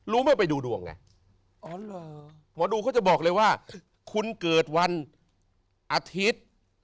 ไม่ไปดูดวงไงอ๋อเหรอหมอดูเขาจะบอกเลยว่าคุณเกิดวันอาทิตย์